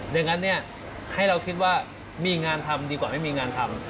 ดังนั้นเนี่ยให้เราคิดว่ามีงานทำดีกว่าไม่มีงานทำ